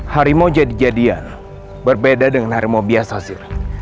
hari mau jadi jadian berbeda dengan hari mau biasa sir